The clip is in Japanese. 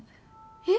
えっ？